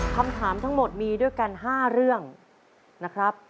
คำถามทั้งหมดมีด้วยกัน๕เรื่องนะครับ